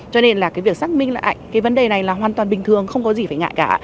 cho nên là cái việc xác minh lại cái vấn đề này là hoàn toàn bình thường không có gì phải ngại cả